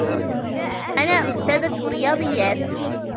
. أنا أستاذة رياضيات